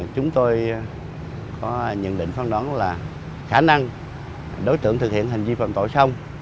chúng tôi có nhận định phán đoán là khả năng đối tượng thực hiện hình di phẩm tội sông